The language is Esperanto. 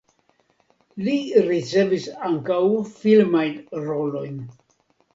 Li ricevis ankaŭ filmajn rolojn.